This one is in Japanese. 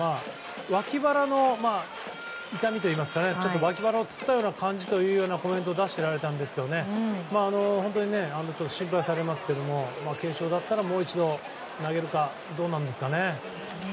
わき腹の痛みといいますかわき腹をつったような感じというコメントを出していられたんですけど心配されますけども軽傷だったらもう一度投げるかどうなんですかね。